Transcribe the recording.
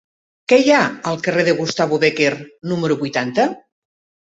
Què hi ha al carrer de Gustavo Bécquer número vuitanta?